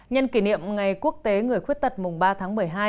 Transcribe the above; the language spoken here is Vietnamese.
nhân kỷ niệm ngày quốc tế người khuyết tật mùng ba tháng một mươi hai